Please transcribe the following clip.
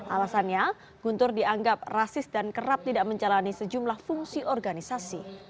alasannya guntur dianggap rasis dan kerap tidak menjalani sejumlah fungsi organisasi